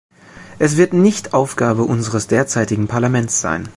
Es wird nicht Aufgabe unseres derzeitigen Parlaments sein.